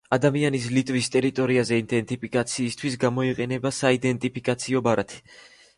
ადამიანის ლიტვის ტერიტორიაზე იდენტიფიკაციისთვის გამოიყენება საიდენტიფიკაციო ბარათი.